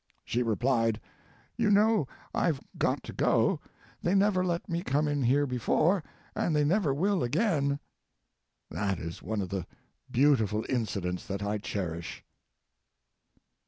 She replied, "You know I've got to go; they never let me come in here before, and they never will again." That is one of the beautiful incidents that I cherish.